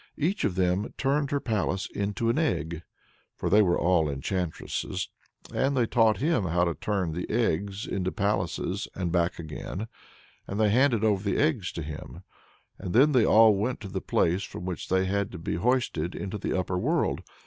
Each of them turned her palace into an egg for they were all enchantresses and they taught him how to turn the eggs into palaces, and back again, and they handed over the eggs to him. And then they all went to the place from which they had to be hoisted into the upper world.